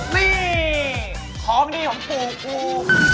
นี่ของดีของปู่กู